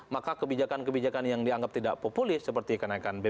maka kebijakan kebijakan yang dianggap tidak populis seperti kenaikan bbm